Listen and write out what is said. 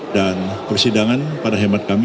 dan persidangan pada hemat kami